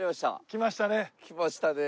来ましたね！